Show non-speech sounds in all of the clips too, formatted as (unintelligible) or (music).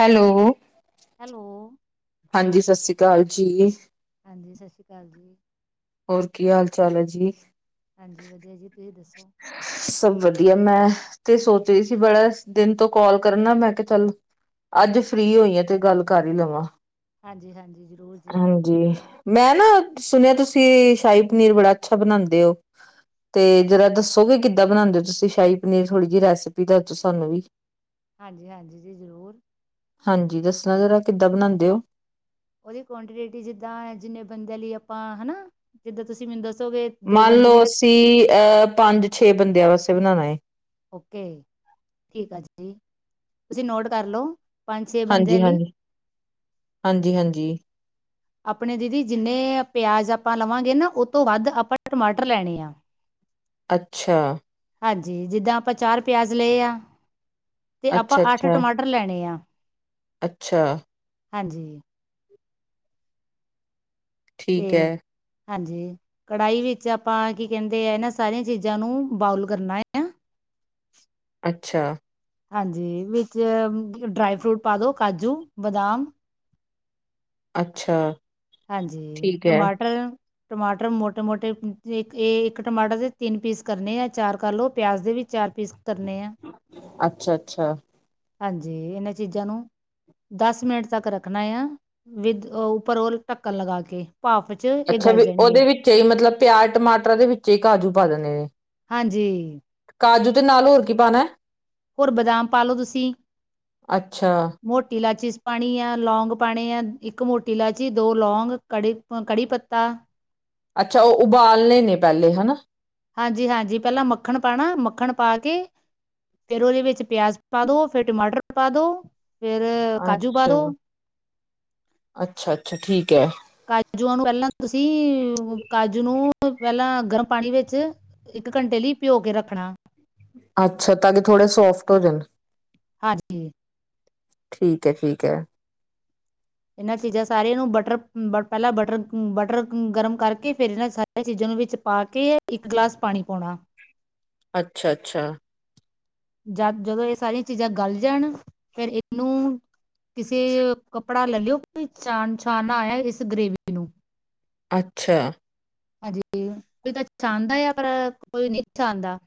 Hello, hello, ਹਾਂਜੀ ਸਤਿ ਸ੍ਰੀ ਅਕਾਲ ਜੀ। ਹਾਂਜੀ ਸਤਿ ਸ਼੍ਰੀ ਅਕਾਲ ਜੀ। ਹੋਰ ਕੀ ਹਾਲ ਚਾਲ ਹੈ ਜੀ। ਹਾਂਜੀ ਵਧੀਆ ਜੀ ਤੁਸੀਂ ਦੱਸੋ? ਸਭ ਵਧੀਆ, ਮੈਂ ਤੇ ਸੋਚ ਰਹੀ ਸੀ ਬੜਾ ਦਿਨ ਤੋਂ ਕਾਲ ਕਰਨਾ ਮੈਂ ਕਿਹਾ ਚੱਲ ਅੱਜ ਫ੍ਰੀ ਹੋਈ ਆਂ, ਤੇ ਗੱਲ ਕਰ ਹੀ ਲਵਾਂ। ਹਾਂਜੀ ਹਾਂਜੀ ਜ਼ਰੂਰ ਜੀ। ਜੀ ਮੈਂ ਨਾ ਸੁਣਿਆ, ਤੁਸੀਂ ਸ਼ਾਹੀ ਪਨੀਰ ਬੜਾ ਅੱਛਾ ਬਣਾਉਂਦੇ ਹੋ। ਤੇ ਜਰਾ ਦੱਸੋਗੇ ਕਿੱਦਾਂ ਬਣਾਉਂਦੇ ਹੋ ਤੁਸੀਂ ਸ਼ਾਹੀ ਪਨੀਰ, ਥੋੜ੍ਹੀ ਜਿਹੀ ਰੈਸਪੀ ਦੱਸ ਦੋ ਸਾਨੂੰ ਵੀ (unintelligible) ਹਾਂਜੀ ਹਾਂਜੀ ਜੀ ਜ਼ਰੂਰ। ਹਾਂਜੀ ਦੱਸਣਾ ਜ਼ਰਾ ਕਿੱਦਾਂ ਬਣਾਉਂਦੇ ਹੋ। ਉਹਦੀ ਕੁਆਂਟੀਟਿਟੀ ਜਿੱਦਾਂ ਜਿੰਨੇ ਬੰਦਿਆਂ ਲਈ ਆਪਾਂ ਹਨਾ, ਜਿੱਦਾਂ ਤੁਸੀਂ ਮੈਨੂੰ ਦੱਸੋਗੇ। ਦੋ ਮੰਨ ਬੰਦੇ ਲਈ ਲਓ ਰੱਖ, ਅਸੀਂ ਅਹ ਪੰਜ ਛੇ ਬੰਦਿਆਂ ਵਾਸਤੇ ਬਣਾਉਣਾ ਏ। ਓਕੇ ਠੀਕ ਆ ਜੀ, ਤੁਸੀਂ ਨੋਟ ਕਰਲੋ। ਹਾਂਜੀ ਹਾਂਜੀ ਹਾਂਜੀ ਹਾਂਜੀ। ਆਪਣੇ ਦੀਦੀ ਜਿੰਨੇ ਪਿਆਜ਼ ਆਪਾਂ ਲਵਾਂਗੇ ਨਾ, ਉਹ ਤੋਂ ਵੱਧ ਆਪਾਂ ਟਮਾਟਰ ਲੈਣੇ ਆ। ਅੱਛਾ। ਹਾਂਜੀ ਜਿੱਦਾਂ ਆਪਾਂ ਚਾਰ ਪਿਆਜ਼ ਲਏ ਆ, ਤੇ ਆਪਾਂ ਅੱਛਾ ਅੱਠ ਅੱਛਾ ਟਮਾਟਰ ਲੈਣੇ ਆ। ਅੱਛਾ। ਹਾਂਜੀ। ਤੇ ਠੀਕ ਐ, ਹਾਂਜੀ, ਕੜਾਹੀ ਵਿੱਚ ਆਪਾਂ ਕੀ ਕਹਿੰਦੇ ਆ ਇਹਨਾਂ ਸਾਰੀਆਂ ਚੀਜ਼ਾਂ ਨੂੰ ਬੋਇਲ ਕਰਨਾ ਹੈ। ਅੱਛਾ। ਹਾਂਜੀ ਵਿੱਚ ਡਰਾਈ ਫਰੂਟ ਪਾ ਦੋ ਕਾਜੂ ਬਦਾਮ ਅੱਛਾ। ਹਾਂਜੀ ਠੀਕ ਐ। ਟਮਾਟਰ ਟਮਾਟਰ ਮੋਟੇ-ਮੋਟੇ, ਇੱਕ ਇਹ ਇੱਕ ਟਮਾਟਰ ਦੇ ਤਿੰਨ ਪੀਸ ਕਰਨੇ ਆ, ਚਾਰ ਕਰ ਲਓ, ਪਿਆਜ਼ ਦੇ ਵੀ ਚਾਰ ਪੀਸ ਕਰਨੇ ਆ। ਅੱਛਾ ਅੱਛਾ। ਹਾਂਜੀ, ਇਹਨਾਂ ਚੀਜ਼ਾਂ ਨੂੰ ਦਸ ਮਿੰਟ ਤੱਕ ਰੱਖਣਾ ਆ, ਵਿਦ ਉੱਪਰ ਉਹ ਢੱਕਣ ਲਗਾ ਕੇ ਭਾਫ ਅੱਛਾ ਵੀ ਉਹਦੇ ਵਿੱਚੇ ਈ ਮਤਲਬ ਪਿਆਜ ਟਮਾਟਰ ਦੇ ਵਿੱਚੇ ਈ ਕਾਜੂ ਪਾ ਦੇਣੇ ਆ? ਹਾਂਜੀ। ਕਾਜੂ ਤੇ ਨਾਲ ਹੋਰ ਕੀ ਪਾਉਣਾ ਏ? ਹੋਰ ਬਦਾਮ ਪਾ ਲੋ ਤੁਸੀਂ ਅੱਛਾ, ਮੋਟੀ ਇਲਾਚੀ ਪਾਣੀ ਆ, ਲੌਂਗ ਪਾਉਣੇ ਆ, ਇੱਕ ਮੋਟੀ ਇਲਾਚੀ, ਦੋ ਲੌਂਗ, ਕੜੀ ਅ ਕੜੀ ਪੱਤਾ ਅੱਛਾ, ਉਹ ਉਬਾਲਣੇ ਨੇ ਪਹਿਲੇ ਹਨਾ? ਹਾਂਜੀ, ਹਾਂਜੀ, ਪਹਿਲਾਂ ਮੱਖਣ ਪਾਣਾ, ਮੱਖਣ ਪਾ ਕੇ ਫੇਰ ਉਹਦੇ ਵਿੱਚ ਪਿਆਜ ਪਾ ਦੋ, ਫੇਰ ਟਮਾਟਰ ਪਾ ਦੋ। ਅੱਛਾ, ਅੱਛਾ, ਅੱਛਾ, ਠੀਕ ਹੈ! ਕਾਜੂਆਂ ਨੂੰ ਪਹਿਲਾਂ ਤੁਸੀਂ ਕਾਜੂ ਨੂੰ ਪਹਿਲਾਂ ਗਰਮ ਪਾਣੀ ਵਿੱਚ ਇੱਕ ਘੰਟੇ ਲਈ ਪਿਓ ਕੇ ਰੱਖਣਾ। ਅੱਛਾ, ਤਾਂ ਕਿ ਥੋੜ੍ਹੇ ਸੌਫਟ ਹੋ ਜਾਣ। ਹਾਂਜੀ। ਠੀਕ ਹੈ, ਠੀਕ ਹੈ! ਇਹਨਾਂ ਚੀਜ਼ਾਂ ਸਾਰੀਆਂ ਨੂੰ ਬਟਰ ਬ ਪਹਿਲਾਂ ਬਟਰ, ਬਟਰ ਗਰਮ ਕਰਕੇ, ਫੇਰ ਇਹਨਾਂ ਸਾ ਇਹ ਚੀਜ਼ਾਂ ਨੂੰ ਵਿੱਚ ਪਾ ਕੇ, ਇੱਕ ਗਲਾਸ ਪਾਣੀ ਪਾਉਣਾ। ਅੱਛਾ-ਅੱਛਾ। ਜਾ ਜਦੋਂ ਇਹ ਸਾਰੀਆਂ ਚੀਜ਼ਾਂ ਗਲ ਜਾਣ, ਫੇਰ ਇਹਨੂੰ ਕਿਸੇ ਕ ਪੜਾ ਲੈ ਲਿਓ ਕੋਈ ਛਾਣ ਛਾਨਣਾ ਐ ਇਸ ਗ੍ਰੇਵੀ ਨੂੰ। ਅੱਛਾ। ਹਾਂਜੀ, ਕੋਈ ਤਾਂ ਛਾਨਦਾ ਏ, ਪਰ ਕੋਈ ਨਹੀਂ ਛਾਨਦਾ।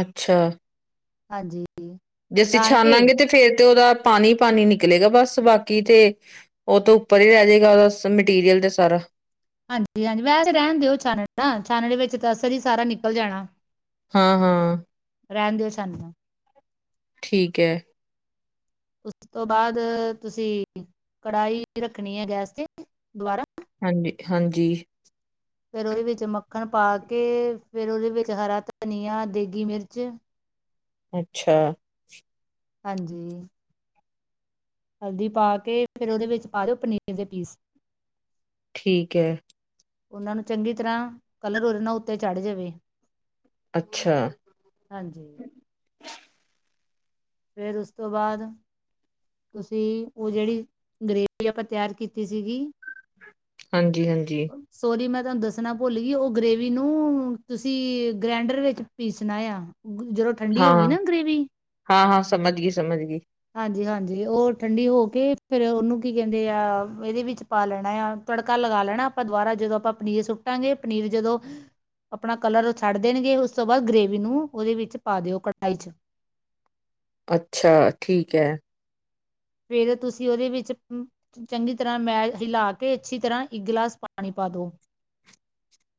ਅੱਛਾ। ਹਾਂਜੀ। ਜੇ ਅਸੀਂ ਛਾਣ ਕੇ ਛਾਨਾਂਗੇ, ਤੇ ਫੇਰ ਤੇ ਉਹਦਾ ਪਾਣੀ-ਪਾਣੀ ਨਿਕਲੇਗਾ, ਬਸ ਬਾਕੀ ਤੇ ਉਹ ਤੋਂ ਉੱਪਰ ਹੀ ਰਹਿ ਜਾਏਗਾ ਉਸ ਮਟੀਰੀਅਲ ਤੇ ਸਾਰਾ। ਹਾਂਜੀ-ਹਾਂਜੀ, ਵੈਸੇ ਰਹਿਣ ਦਿਓ, ਛਾਨਣ ਦਾ ਛਾਨਣ ਵਿੱਚ ਤਾਂ ਅਸਰ ਹੀ ਸਾਰਾ ਨਿਕਲ ਜਾਣਾ। ਹਾਂ-ਹਾਂ। ਰਹਿਣ ਦਿਓ ਛਾਨਣਾ। ਠੀਕ ਹੈ। ਉਸ ਤੋਂ ਬਾਅਦ ਤੁਸੀਂ ਕੜਾਈ ਰੱਖਣੀ ਹੈ ਗੈਸ ਤੇ ਦੁਆਰਾ। ਹਾਂਜੀ, ਹਾਂਜੀ। ਫੇਰ ਉਹਦੇ ਵਿੱਚ ਮੱਖਣ ਪਾ ਕੇ, ਫੇਰ ਉਹਦੇ ਵਿੱਚ ਹਰਾ ਧਨੀਆ, ਦੇਗੀ ਮਿਰਚ ਅੱਛਾ। ਹਾਂਜੀ। ਹਲਦੀ ਪਾ ਕੇ, ਫੇਰ ਉਹਦੇ ਵਿੱਚ ਪਾ ਦਿਓ ਪਨੀਰ ਦੇ ਪੀਸ! ਠੀਕ ਹੈ। ਉਹਨਾਂ ਨੂੰ ਚੰਗੀ ਤਰ੍ਹਾਂ ਕਲਰ ਓਰਨਾ ਉੱਤੇ ਚੜ ਜਾਵੇ। ਅੱਛਾ। ਹਾਂਜੀ। ਫੇਰ ਉਸ ਤੋਂ ਬਾਅਦ ਤੁਸੀਂ ਉਹ ਜਿਹੜੀ ਗਰੇਵੀ ਆਪਾਂ ਤਿਆਰ ਕੀਤੀ ਸੀਗੀ ਹਾਂਜੀ-ਹਾਂਜੀ। ਸੋਰੀ ਮੈਂ ਤੁਹਾਨੂੰ ਦੱਸਣਾ ਭੁੱਲ ਗਈ ਓ ਗ੍ਰੇਵੀ ਨੂੰ ਤੁਸੀਂ ਗ੍ਰੈਂਡਰ ਵਿੱਚ ਪੀਸਣਾ ਏਆਂ ਜਦੋਂ ਠੰਡੀ ਹੋ ਗਈ ਹਾਂ, ਨਾ ਗਰੇਵੀ। ਹਾਂ-ਹਾਂ, ਸਮਜ ਗਈ-ਸਮਜ ਗਈ। ਹਾਂਜੀ-ਹਾਂਜੀ ਓ ਠੰਡੀ ਹੋ ਕੇ ਫੇਰ ਓਨੂੰ ਕੀ ਕਹਿੰਦੇ ਆ ਏਦੇ ਵਿੱਚ ਪਾ ਲੈਣਾ ਆ ਤੜਕਾ ਲਗਾ ਲੈਣਾ ਆਪਾਂ ਦੁਬਾਰਾ ਜਦੋਂ ਆਪਾਂ ਪਨੀਰ ਸੁੱਟਾਂਗੇ ਪਨੀਰ ਜਦੋਂ। ਆਪਣਾ ਕਲਰ ਛੱਡ ਦੇਣਗੇ ਉਸ ਤੋਂ ਬਾਅਦ ਗ੍ਰੇਵੀ ਨੂੰ ਓਦੇ ਵਿੱਚ ਪਾ ਦਿਓ ਕੜਾਈ 'ਚ। ਅੱਛਾ, ਠੀਕ ਐ। ਫੇਰ ਤੁਸੀਂ ਓਦੇ ਵਿੱਚ- ਚੰਗੀ ਤਰ੍ਹਾਂ ਮੈ ਹੀਲਾ ਕੇ ਅੱਛੀ ਤਰ੍ਹਾਂ ਇੱਕ ਗੀਲਾਸ ਪਾਣੀ ਪਾ ਦੋ।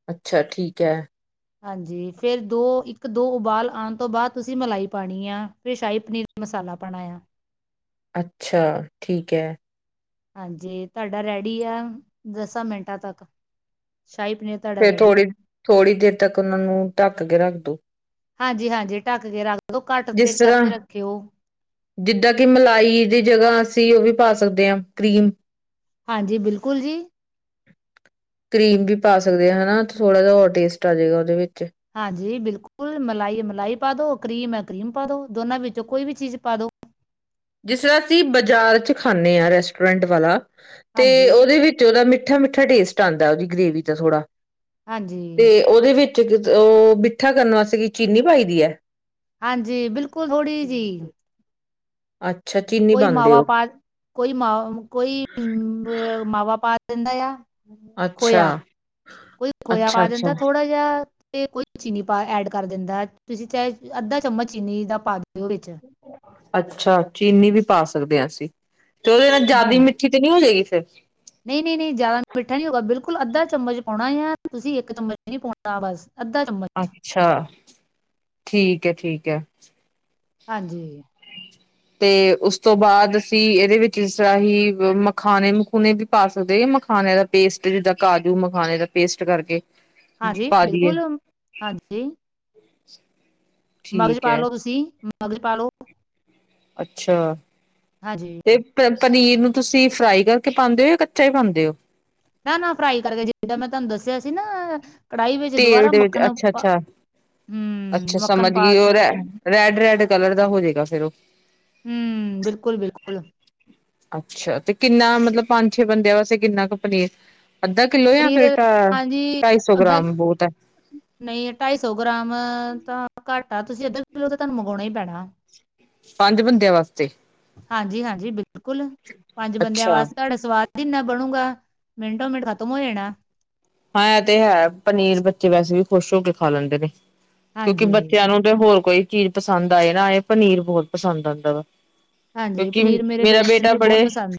ਅੱਛਾ ਠੀਕ ਐ। ਹਾਂਜੀ ਫੇਰ ਦੋ ਇੱਕ ਦੋ ਉਬਾਲ ਆਣ ਤੋਂ ਬਾਅਦ ਤੁਸੀਂ ਮਲਾਈ ਪਾਣੀ ਆ ਫੇਰ ਸ਼ਾਈ ਪਨੀਰ ਮਸਾਲਾ ਪਾਣਾ ਏਆ। ਅੱਛਾ ਠੀਕ ਐ। ਹਾਂਜੀ, ਤਾਡਾ ਰੈਡੀ ਆ ਦਸਾਂ ਮਿੰਟਾਂ ਤੱਕ ਸ਼ਾਈ ਪਨੀਰ। ਤੁਹਾਡਾ ਫੇਰ ਰੈਡੀ ਥੋੜ੍ਹੀ ਦੇਰ ਤੱਕ ਓਨਾਂ ਨੂੰ ਢੱਕ ਕੇ ਰੱਖ ਦੋ। ਹਾਂਜੀ-ਹਾਂਜੀ ਢੱਕ ਕੇ ਰੱਖ ਦੋ ਘੱਟ ਤੇ ਜਿਸ ਤਰ੍ਹਾਂ ਕਰਕੇ ਰੱਖਿਓ। ਜਿੱਦਾਂ ਕਿ ਮਲਾਈ ਦੀ ਜਗ੍ਹਾ ਅਸੀਂ ਓ ਵੀ ਪਾ ਸਕਦੇ ਆ ਕਰੀਮ। ਹਾਂਜੀ ਬਿਲਕੁਲ ਜੀ। ਕਰੀਮ ਵੀ ਪਾ ਸਕਦੇ ਆ ਹਨਾ ਥੋੜ੍ਹਾ ਜਾ ਹੋਰ ਟੇਸਟ ਆ ਜਾਏਗਾ ਓਦੇ ਵਿੱਚ। ਹਾਂਜੀ ਬਿਲਕੁਲ ਮਲਾਈ, ਮਲਾਈ ਪਾ ਦੋ ਕਰੀਮ ਐ ਕਰੀਮ ਪਾ ਦੋ ਦੋਨਾਂ ਵਿੱਚੋਂ ਕੋਈ ਵੀ ਚੀਜ਼ ਪਾ ਦੋ। ਜਿਸ ਤਰ੍ਹਾਂ ਅਸੀਂ ਬਾਜ਼ਾਰ ਚ ਖਾਂਨੇ ਆ। ਰੈਸਟੋਰੈਂਟ ਵਾਲਾ ਤੇ ਹਾਂਜੀ ਓਦੇ ਵਿੱ ਓਦਾ ਮਿੱਠਾ-ਮਿੱਠਾ ਟੇਸਟ ਆਦਾ ਓਦੀ ਗ੍ਰੇਵੀ ਦਾ ਥੋੜਾ ਹਾਂਜੀ ਤੇ ਓਦੇ ਵਿੱਚ ਓ ਮਿੱਠਾ ਕਰਨ ਵਾਸਤੇ ਕੀ ਚੀਨੀ ਪਾਈ ਦੀ ਆ? ਹਾਂਜੀ ਬਿਲਕੁਲ ਥੋੜ੍ਹੀ ਜੀ। ਅੱਛਾ ਚੀਨ ਕੋਈ ਮਾਵਾ ਪਾ ਕੋਈ ਮਾ ਕੋਈ ਮਾਵਾ ਪਾ ਦਿੰਦਾ ਏਆ। ਅੱਛਾ, ਖੋਏਆ ਕੋਈ ਖੋਏਆ ਪਾ ਦਿੰਦਾ ਅੱਛਾ-ਅੱਛਾ, ਥੋੜਾ ਜੇਆ। ਤੇ ਕੋਈ ਚੀਨੀ ਪਾ ਐਡ ਕਰ ਦਿੰਦਾ ਤੁਸੀਂ ਚਾਏ ਅੱਧਾ ਚਮਚ ਚੀਨੀ ਦਾ ਪਾ ਦਿਓ ਵਿੱਚ। ਅੱਛਾ ਚੀਨੀ ਵੀ ਪਾ ਸਕਦੇ ਆ ਅਸੀਂ ਤੇ ਓਦੇ ਨਾਲ ਜ਼ਿਆਦਾ ਮਿੱਠੀ ਨੀ ਹੋ ਜੇਗੀ ਫਿਰ? ਨਈ-ਨਈ-ਨਈ ਜ਼ਿਆਦਾ ਮਿੱਠਾ ਨੀ ਹੋਊਗਾ ਬਿਲਕੁਲ ਅੱਧਾ ਚਮਚ ਪਾਉਣਾ ਏਆ ਤੁਸੀਂ ਇੱਕ ਚਮਚ ਨੀ ਪਾਉਣਾ ਬਸ ਅੱਧਾ ਚਮਚ। ਅੱਛਾ ਠੀਕ ਐ-ਠੀਕ ਐ। ਹਾਂਜੀ। (inaudible) ਤੇ ਉਸ ਤੋਂ ਬਾਅਦ ਅਸੀਂ ਏਦੇ ਵਿੱਚ ਜਿਸ ਤਰ੍ਹਾਂ ਹੀ ਮਖਾਣੇ-ਮਖੂਣੇੇ ਵੀ ਪਾ ਸਕਦੇ ਮਖਾਣੇ ਦਾ ਪੇਸਟ ਜਿੱਦਾਂ ਕਾਜੂ ਮਖਾਣੇ ਦਾ ਪੇਸਟ ਕਰਕੇ। ਹਾਂਜੀ ਪਾ ਦੀਏ। ਬਿਲਕੁਲ ਹਾਂਜੀ। (inaudible) ਮਗਜ਼ ਪਾ ਹੈ ਲੋ ਤੁਸੀਂ ਮਗਜ਼ ਪਾ ਲੋ। ਅੱਛਾ ਹਾਂਜੀ ਤੇ ਪਨੀਰ ਨੂੰ ਤੁਸੀਂ ਫਰਾਈ ਕਰਕੇ ਪਾਦੇਂ ਓ ਜਾਂ ਕੱਚਾ ਈ ਪਾਦੇਂ ਓ? ਨਾ-ਨਾ ਫਰਾਈ ਕਰਕੇ ਜਿਦਾਂ ਮੈਂ ਤੁਹਾਨੂੰ ਦੱਸਿਆ ਸੀ ਨਾ। ਕੜਾਈ ਵਿੱਚ ਤੇਲ ਦੁਬਾਰਾ ਦੇ ਵਿੱਚ ਮੱਖਣ ਅੱਛਾ ਪਾ ਅੱਛਾ ਹੂੰ ਅੱਛਾ ਸਮਝ ਮੱਖਣ ਪਾ ਗਈ ਉਹ ਕੇ ਰੈ ਰੈਡ ਰੈਡ ਕਲਰ ਦਾ ਹੋ ਜਾਏਗਾ ਫੇਰ ਉਹ ਹੁ ਬਿਲਕੁਲ ਬਿਲਕੁਲ। ਅੱਛਾ ਤੇ ਕਿੰਨਾ ਮਤਲਬ ਪੰਜ ਛੇ ਬੰਦਿਆਂ ਵਾਸਤੇ ਕਿੰਨਾ ਕ ਪਨੀਰ। ਅੱਧਾ ਕਿੱਲੋ ਯਾ ਪਨੀਰ ਫੇਰ ਢ ਹਾਂਜੀ ਢਾਈ ਸੌ ਅੱਧਾ ਗ੍ਰਾਮ ਬੋਤ ਹੈ। ਨਹੀਂ ਢਾਈ ਸੌ ਗ੍ਰਾਮ ਤਾਂ ਘੱਟ ਆ ਤੁਸੀਂ ਅੱਧਾ ਕਿੱਲੋ ਤੇ ਤੁਹਾਨੂ ਮੰਗਾਉਣਾ ਹੀ ਪੈਣਾ। ਪੰਜ ਬੰਦਿਆਂ ਵਾਸਤੇ? ਹਾਂਜੀ ਹਾਂਜੀ ਬਿਲਕੁਲ ਪੰਜ ਬੰਦਿਆਂ ਅੱਛਾ ਵਾਸਤੇ ਤੁਹਾਡਾ ਸਵਾਦ ਜਿਨਾਂ ਬਣੂਗਾ ਮਿੰਟੋ ਮਿੰਟ ਖ਼ਤਮ ਹੋ ਜਾਣਾ। ਹਾਂ ਇਹ ਤੇ ਹੈ ਪਨੀਰ ਬੱਚੇ ਵੈਸੇ ਵੀ ਖੁਸ਼ ਹੋ ਕੇ ਖਾ ਲੈਂਦੇ ਨੇ ਕਿਉਂਕਿ ਹਾਂਜੀ, ਬੱਚਿਆਂ ਨੂੰ ਤੇ ਹੋਰ ਕੋਈ ਚੀਜ਼ ਪਸੰਦ ਆਏ ਨਾ ਆਏ ਪਨੀਰ ਬਹੁਤ ਪਸੰਦ ਆਂਦਾ ਵਾ। ਹਾਂਜੀ ਕਿਉਂਕਿ ਪਨੀਰ ਮੇਰੇ ਮੇਰਾ ਬੇਟੇ ਨੂੰ ਬੇਟਾ ਵੀ ਬੜੇ ਬਹੁਤ ਪਸੰਦ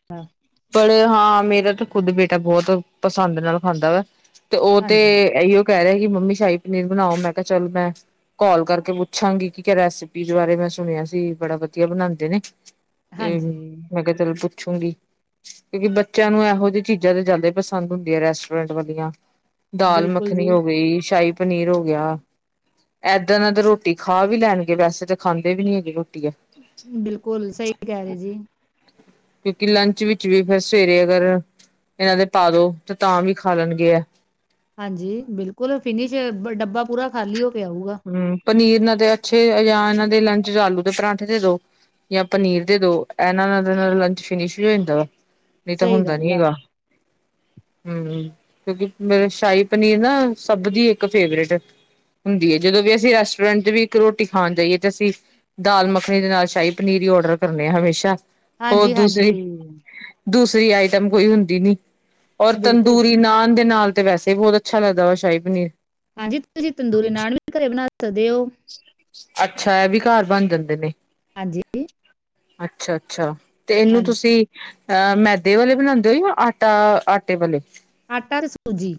ਪਰ ਹਾਂ ਮੇਰਾ ਤਾਂ ਖੁੱਦ ਬੇਟਾ ਬੋਤ ਪਸੰਦ ਨਾਲ ਖਾਂਦਾ ਵਾ। ਤੇ ਉਹ ਤੇ ਹਾਂਜੀ, ਇਹੀਓ ਕਹਿ ਰਿਹਾ ਕਿ ਮੰਮੀ ਸ਼ਾਹੀ ਪਨੀਰ ਬਨਾਓ ਮੈਂ ਕਿਆ ਚੱਲ ਮੈਂ ਕਾਲ ਕਰਕੇ ਪੁੱਛਾਂਗੀ ਕਿ ਰੈਸਪੀਸ ਬਾਰੇ ਮੈਂ ਸੁਨਿਆ ਸੀ ਬੜਾ ਵਧੀਆ ਬਨਾਂਦੇ ਨੇ। (unintelligible) (unintelligible) ਹਾਂਜੀ ਪੁੱਛੂਗੀ ਕਿਉਂਕਿ ਬੱਚੇਆਂ ਨੂੰ ਇਹੋ ਜਿਹੀ ਚੀਜ਼ਾਂ ਤੇ ਜੈਦਾ ਈ ਪਸੰਦ ਹੁੰਦੀਆਂ ਰੈਸਟੋਰੈਂਟ ਵਾਲੀਆਂ। ਦਾਲ ਬਿਲਕੁਲ ਮੱਖਨੀ ਜੀ, ਹੋ ਗਈ ਸ਼ਾਹੀ ਪਨੀਰ ਹੋ ਗਿਆ। ਏਦਾਂ ਨਾ ਤਾਂ ਰੋਟੀ ਖਾ ਵੀ ਲੈਨਗੇ ਵੈਸੇ ਤੇ ਖਾਂਦੇ ਵੀ ਨੀ ਹੈਗੇ ਰੋਟੀ ਐ। ਬਿਲਕੁਲ ਸਹੀ ਕਹਿ ਰਹੇ ਜੀ। ਕਿਉਂਕਿ ਲੰਚ ਵਿੱਚ ਵੀ ਫੇਰ ਸਵੇਰੇ ਅਗਰ ਇਹਨਾਂ ਦੇ ਪਾ ਦੋ ਤੇ ਤਾਂ ਵੀ ਖਾ ਲੈਨਗੇ ਏ। ਹਾਂਜੀ ਬਿਲਕੁਲ ਫਿਨਿਸ਼ ਡੱਬਾ ਪੂਰਾ ਖਾਲੀ ਹੋ ਕੇ ਆਊਗਾ। ਹੁ ਪਨੀਰ ਨਾਲ ਤੇ ਅੱਛੇ ਯਾ ਇਹਨਾਂ ਦੇ ਲੰਚ ਚ ਆਲੂ ਦੇ ਪਰਾਂਠੇ ਦੇ ਦੋ। ਯਾ ਪਨੀਰ ਦੇ ਦੋ ਇਹਨਾਂ ਨਾਲ ਤਾਂ ਇਹਨਾਂ ਦਾ ਲੰਚ ਫਿਨਿਸ਼ ਵੀ ਹੋ ਜਾਂਦਾ ਵਾ। ਨਹੀਂ ਤਾਂ ਸਹੀ ਹੁੰਦਾ ਗੱਲ ਨੀ ਆ ਹੈਗਾ। ਹੁ ਕਿਉਂਕਿ ਮਲਬ ਸ਼ਾਹੀ ਪਨੀਰ ਨਾ ਸਭ ਦੀ ਇੱਕ ਫੇਵਰੇਟ ਹੁੰਦੀ ਹੈ। ਜਦੋਂ ਵੀ ਅਸੀਂ ਰੈਸਟੋਰੈਂਟ ਚ ਵੀ ਇੱਕ ਰੋਟੀ ਖਾਨ ਜਾਈਏ ਤੇ ਅਸੀਂ ਦਾਲ ਮੱਖਣੀ ਦੇ ਨਾਲ ਸ਼ਾਹੀ ਪਨੀਰ ਈ ਔਡਰ ਕਰਨੇ ਆ ਹਮੇਸ਼ਾ ਹੋਰ ਹਾਂਜੀ-ਹਾਂਜੀ, ਦੂਸਰੀ ਦੂਸਰੀ ਆਈਟਮ ਕੋਈ ਹੁੰਦੀ ਨੀ। ਔਰ ਬਿਲਕੁਲ ਤੰਦੂਰੀ ਨਾਨ ਦੇ ਨਾਲ ਤੇ ਵੈਸੇ ਬੋਤ ਅੱਛਾ ਲੱਗਦਾ ਵਾ ਸ਼ਾਹੀ ਪਨੀਰ। ਹਾਂਜੀ ਤੁਸੀਂ ਤੰਦੂਰੀ ਨਾਲ ਵੀ ਤੇ ਘਰੇ ਬਨਾ ਸਕਦੇ ੳ। ਅੱਛਾ ਇਹ ਵੀ ਘਰ ਬਨ ਜਾਂਦੇ ਨੇ। ਹਾਂਜੀ ਅੱਛਾ ਅੱਛਾ ਤੇ ਇਹਨੂੰ ਹਾਂਜੀ ਤੁਸੀਂ ਅਹ ਮੈਦੇ ਵਾਲੇ ਬਣਾਦੇ ੳ ਯਾ ਆਟਾ ਆਟੇ ਵਾਲੇ ਆਟਾ ਤੇ ਸੂਜੀ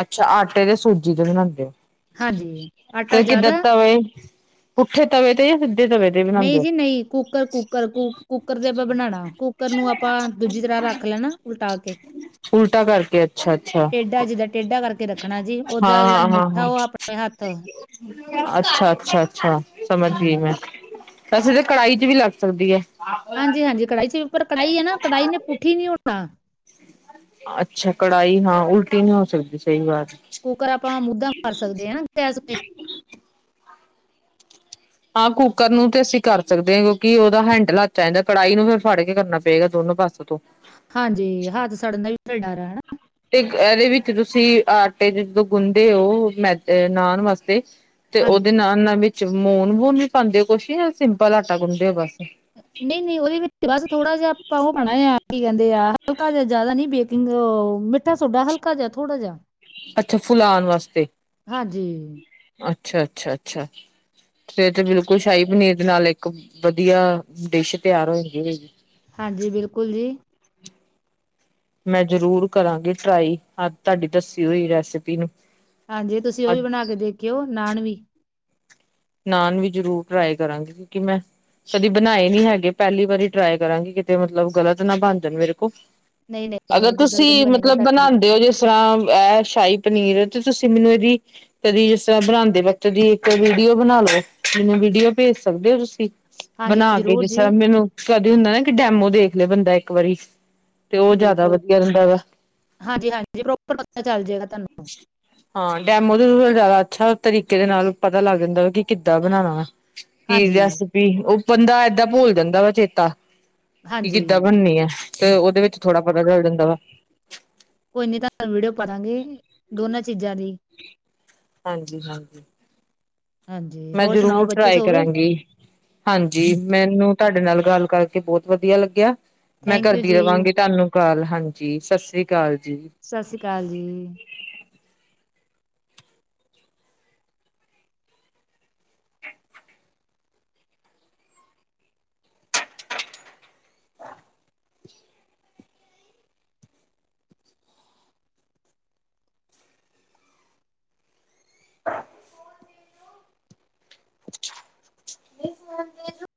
ਅੱਛਾ ਆਟੇ ਤੇ ਸੂਜੀ ਤੇ ਬਣਾਉਦੇ ੳ ਹਾਂਜੀ ਆਟਾ ਤੇ ਕਿੱਦਾਂ ਜ਼ਿਆਦਾ ਤਵੇ ਪੁਠੇ ਤਵੇ ਤੇ ਯਾ ਸਿੱਦੇ ਤਵੇ ਤੇ ਬਣਾਉਂਦੇ ਨਹੀਂ ਹੋ? ਜੀ ਨਹੀਂ ਕੂੱਕਰ ਕੂੱਕਰ ਕੂੱਕਰ ਤੇ ਆਪਾਂ ਬਨਾਣਾ ਕੂੱਕਰ ਨੂੰ ਆਪਾਂ ਦੂਜੀ ਤਰ੍ਹਾਂ ਰੱਖ ਲੈਨਾ। ਉਲਟਾ ਕੇ ਉਲਟਾ ਕਰਕੇ ਅੱਛਾ ਅੱਛਾ ਟੇਢਾ ਜਿੱਦਾਂ ਟੇਢਾ ਕਰਕੇ ਰੱਖਣਾ ਜੀ ਉਹਦਾ ਜਿਹੜਾ ਮੁੱਠਾ ਉਹ ਆਪਣੇ ਹੱਥ ਅੱਛਾ ਅੱਛਾ ਅੱਛਾ ਸਮਜ ਗਈ ਹੂੰ ਮੈਂ। ਵੈਸੇ ਤੇ ਕੜਾਹੀ ਚ ਵੀ ਲੱਗ ਸਕਦੀ ਏ। ਹਾਂਜੀ ਹਾਂਜੀ ਕੜਾਹੀ ਚ ਪਰ ਕੜਾਹੀ ਏ ਨਾ ਕੜਾਹੀ ਨੇ ਪੁੱਠੀ ਨੀ ਹੋਣਾ ਅੱਛਾ, ਕੜਾਹੀ ਨਾਂ ਉਲਟੀ ਨ੍ਹੀਂ ਹੋ ਸਕਦੀ। ਸਈ ਵਾਤ ਏ। ਕੁਕਰ ਆਪਾਂ ਮੁਧਾ ਮਾਰ ਸਕਦੇ ਆਂ। ਹਨਾਂ, ਗੈਸ ਤੇ। ਹਾਂ ਕੁੱਕਰ ਨੂੰ ਤੇ ਅਸੀਂ ਕਰ ਸਕਦੇ ਆਂ ਕਿਉਂਕਿ ਓਦਾ ਹੈਂਡਲ ਹੱਥ ਚ ਆ ਜਾਂਦਾ। ਕੜਾਹੀ ਨੂੰ ਫਿਰ ਫੜ ਕੇ ਕਰਨਾ ਪੇਗਾ ਦੋਨੋਂ ਪਾਸੇ ਤੋਂ। ਹਾਂਜੀ, ਹੱਥ ਸੜਨ ਦਾ ਵੀ ਫਿਰ ਡਰ ਐ, ਹਨਾਂ। ਤੇ ਏਦੇ ਵਿੱਚ ਤੁਸੀਂ ਆਟੇ ਜਦੋਂ ਗੁੰਣਦੇ ਓ, ਮੇਦ ਨਾਨ ਵਾਸਤੇ ਤੇ ਹਾਂਜੀ ਓਦੇ ਨਾਨਾਂ ਵਿੱਚ ਲੂਣ ਵੂਣ ਵੀ ਪਾਂਦੇ ਓ ਕੁਛ ਜਾਂ ਸਿੰਪਲ ਆਟਾ ਗੁੰਣਦੇ ਓ ਬਸ। ਨਈਂ ਨਈਂ, ਓਦੇ ਵਿੱਚ ਬਸ ਥੋੜਾ ਜਿਆ ਆਪਾਂ ਓ ਪਾਣਾਂ ਆਂ ਕੀ ਕੈਂਦੇ ਆ, ਹਲਕਾ ਜਿਆ ਜ਼ਿਆਦਾ ਨੀਂ ਬੇਕਿੰ ਓ ਮਿੱਠਾ ਸੋਡਾ, ਹਲਕਾ ਜਿਆ, ਥੋੜ੍ਹਾ ਜਿਆ। ਅੱਛਾ ਫੁਲਾਣ ਵਾਸਤੇ। ਹਾਂਜੀ, ਅੱਛਾ, ਅੱਛਾ, ਅੱਛਾ। ਫ਼ਿਰ ਤੇ ਬਿਲਕੁਲ ਸ਼ਾਹੀ ਪਨੀਰ ਦੇ ਨਾਲ ਇੱਕ ਵਧੀਆ ਡਿਸ਼ ਤਿਆਰ ਹੋ ਗਈ ਹੋਏਗੀ। ਹਾਂਜੀ, ਬਿਲਕੁਲ ਜੀ। ਮੈਂ ਜ਼ਰੂਰ ਕਰਾਂਗੀ ਟਰਾਈ ਆ ਤਾਡੀ ਦੱਸੀ ਹੋਈ ਰੈਸਪੀ ਨੂੰ। ਹਾਂਜੀ, ਤੁਸੀਂ ਓ ਵੀ ਅੱਜ ਬਣਾ ਕੇ ਦੇਖਿਓ, ਨਾਨ ਵੀ। ਨਾਨ ਵੀ ਜ਼ਰੂਰ ਟਰਾਈ ਕਰਾਂਗੀ। ਕਿਉਂਕਿ ਮੈਂ ਕਦੀ ਬਣਾਏ ਨੀਂ ਹੈਗੇ, ਪੈਲੀ ਵਾਰੀ ਟਰਾਈ ਕਰਾਂਗੀ ਕਿਤੇ ਮਤਲਬ ਗ਼ਲਤ ਨਾ ਬਣ ਜਾਣ ਮੇਰੇ ਕੋ। ਨਈਂ ਨਈਂ, ਦੂ ਗਲਤ ਨੀਂ ਬਣੇਗਾ ਤਾਡੇ ਕੋ। ਬਣਾਉਂਦੇ ਹੋ ਜਿਸ ਤਰ੍ਹਾਂ ਏ ਸ਼ਾਹੀ ਪਨੀਰ ਤੇ ਤੁਸੀਂ ਮੈਨੂੰ ਇਦੀ ਕਦੀ ਜਿਸ ਤਰ੍ਹਾਂ ਬਣਾਂਦੇ ਵਕਤ ਦੀ ਇੱਕ ਵੀਡੀ ਵੀਡੀਓ ਬਣਾ ਲੋ। ਮੈਨੂੰ ਵੀਡੀਓ ਭੇਜ ਸਕਦੇ ਓ ਤੁਸੀਂ। ਹਾਂਜੀ ਬਣਾ ਕੇ ਜ਼ਰੂਰ ਜਿਸ ਤਰ੍ਹਾਂ ਜੀ, ਮੈਨੂੰ ਕਦੇ ਹੁੰਦਾ ਨਾ ਕਿ ਡੈਮੋ ਦੇਖ ਲੇ ਬੰਦਾ ਇੱਕ ਵਾਰੀ। ਤੇ ਉਹ ਜ਼ਿਆਦਾ ਬਿਲਕੁਲ। ਵਧੀਆ ਰਹਿੰਦਾ ਵਾ ਹਾਂਜੀ ਹਾਂਜੀ, ਪ੍ਰੋਪਰ ਪਤਾ ਚੱਲ ਜੇਗਾ ਤਾਨੂੰ। ਹਾਂ, ਡੈਮੋ ਤੋਂ ਜ਼ਿਆਦਾ ਅੱਛਾ ਤਰੀਕੇ ਦੇ ਨਾਲ ਪਤਾ ਲੱਗ ਜਾਂਦਾ ਵਾ ਕਿ ਕਿੱਦਾਂ ਬਣਾਣਾ ਵੈਂ। ਕੀ ਹਾਂਜੀ, ਰੇਸਪੀ। ਓ ਬੰਦਾ ਏਦਾਂ ਭੁੱਲ ਜਾਂਦਾ ਵਾ ਚੇਤਾ। ਕਿ ਹਾਂਜੀ ਕਿੱਦਾਂ ਬਨਣੀ ਐ ਤੇ ਓਦੇ ਵਿੱਚ ਥੋੜਾ ਪਤਾ ਚੱਲ ਜਾਂਦਾ ਵਾ। ਕੋਈ ਨੀਂ ਤਾਨੂੰ ਵੀਡੀਓ ਪਾਂ ਦਾਂਗੇ, ਦੋਨਾਂ ਚੀਜ਼ਾਂ ਦੀ। ਹਾਂਜੀ ਹਾਂਜੀ। ਹਾਂਜੀ ਮੈਂ ਹੋਰ ਸੁਣਾਓ ਜ਼ਰੂਰ ਬੱਚੇ ਟਰਾਈ ਸੋ ਗਏ? ਕਰਾਂਗੀ। ਹਾਂਜੀ, ਮੈਨੂੰ ਤਾਡੇ ਨਾਲ ਗੱਲ ਕਰਕੇ ਬੋਤ ਵਧੀਆ ਲੱਗਿਆ। ਮੈਂ ਥੈਂਕ ਯੂ ਕਰਦੀ ਜੀ, ਰਵਾਂਗੀ ਤਾਨੂੰ ਕਾਲ। ਹਾਂਜੀ, ਸਤਿ ਸ੍ਰੀ ਅਕਾਲ ਜੀ। ਸਤਿ ਸ਼੍ਰੀ ਅਕਾਲ ਜੀ। (inaudible) ਦੀ ਫੋਨ ਦੇਨਾਂ।